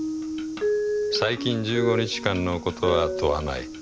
最近１５日間のことは問わない。